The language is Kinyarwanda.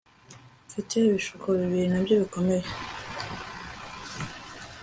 Mfite ibishuko bibiri nabyo bikomeye